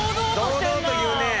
堂々と言うね。